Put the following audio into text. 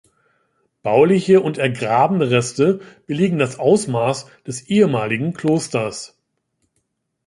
Bauliche und ergrabene Reste belegen das Ausmaß des ehemaligen Klosters.